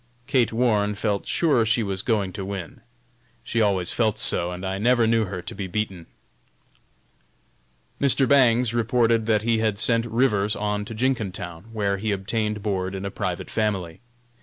Kate Warne felt sure she was going to win. She always felt so, and I never knew her to be beaten. Mr. Bangs reported that he had sent Rivers on to Jenkintown, where he obtained board in a private family.